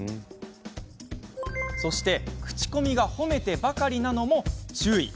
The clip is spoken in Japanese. そして、口コミが褒めてばかりなのも注意。